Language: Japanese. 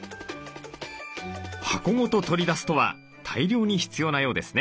箱ごと取り出すとは大量に必要なようですね。